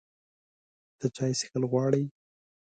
ته چای څښل غواړې؟